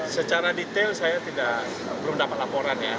secara detail saya belum dapat laporannya